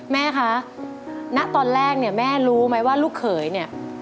แม่คะณตอนแรกแม่รู้ไหมว่าลูกเขยนี่